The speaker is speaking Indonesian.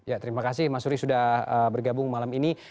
ya terima kasih mas suri sudah bergabung malam ini